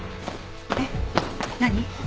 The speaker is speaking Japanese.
えっ何？